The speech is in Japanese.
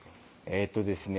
えっとですね